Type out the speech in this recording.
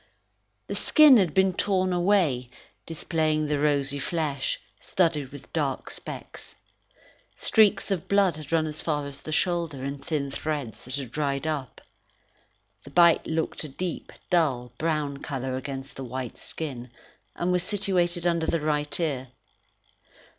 The skin had been torn away, displaying the rosy flesh, studded with dark specks. Streaks of blood had run as far as the shoulder in thin threads that had dried up. The bite looked a deep, dull brown colour against the white skin, and was situated under the right ear.